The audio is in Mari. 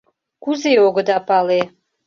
— Кузе огыда пале?